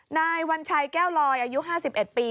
นายวัญชัยแก้วลอยอายุ๕๑ปี